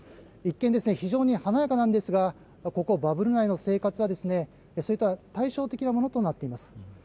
一見、非常に華やかですがここバブル内の生活はそれとは対照的なものとなっています。